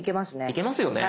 いけますよね。